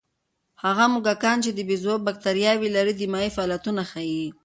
هغه موږکان چې د بیزو بکتریاوې لري، دماغي فعالیتونه ښيي.